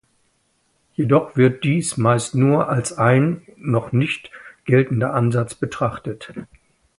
Jedoch wird dies meist nur als ein noch nicht geltender Ansatz betrachtet.